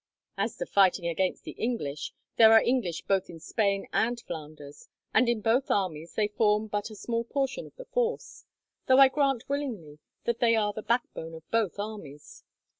"As to fighting against the English, there are English both in Spain and Flanders, and in both armies they form but a small proportion of the force, though I grant willingly that they are the backbone of both armies.